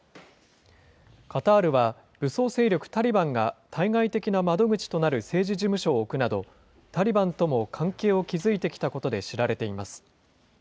カタールは武装勢力タリバンが対外的な窓口となる政治事務所を置くなど、タリバンとも関係を築いてきたことで知られています。